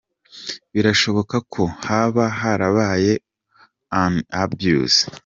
Birashoboka ko haba harabaye un abus.